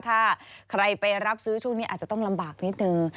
ถ้าใครไปรับซื้อช่วงนี้อาจจะต้องลำบากนิดนึง